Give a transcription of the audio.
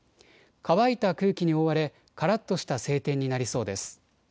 乾いた空気に覆われからっとした晴天になりそうです。